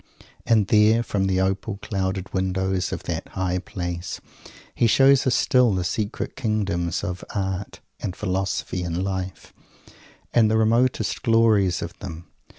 And there, from the opal clouded windows of that high place, he shows us still the secret kingdoms of art and philosophy and life, and the remotest glories of them.